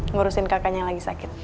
ngurusin kakaknya yang lagi sakit